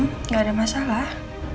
enggak ada masalah